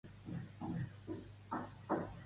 Per quin motiu han abandonat Ciutadans?